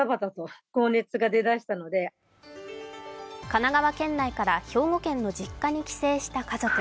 神奈川県内から兵庫県の実家に帰省した家族。